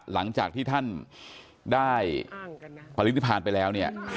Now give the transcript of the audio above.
หลังจากที่ท่านได้ผลิตภาพไปแล้ว